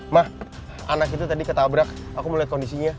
ma anak itu tadi ketabrak aku mau lihat kondisinya